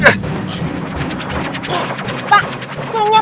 melherkanya anak p thunder